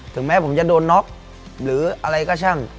แม้ผมจะโดนน็อกหรืออะไรก็ช่าง